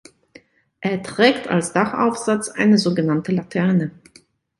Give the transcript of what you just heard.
Er trägt als Dachaufsatz eine sogenannte Laterne.